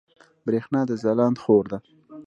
برېښنا د ځلاند خور ده